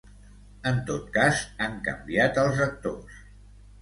En tot cas, han canviat els actors.